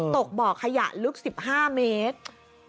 ตกเบาะขยะลึกสิบห้าเมตร